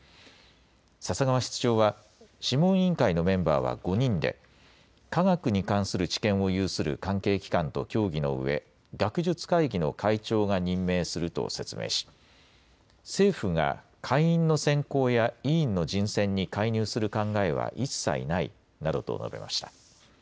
笹川室長は、諮問委員会のメンバーは５人で、科学に関する知見を有する関係機関と協議のうえ、学術会議の会長が任命すると説明し、政府が会員の選考や委員の人選に介入する考えは一切ないなどと述べました。